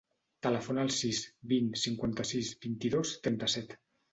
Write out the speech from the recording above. Telefona al sis, vint, cinquanta-sis, vint-i-dos, trenta-set.